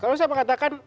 kalau saya mengatakan